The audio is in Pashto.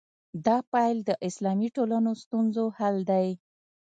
دا پیل د اسلامي ټولنو ستونزو حل دی.